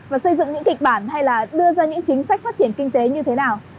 và xây dựng những kịch bản hay là đưa ra những chính sách phát triển kinh tế như thế nào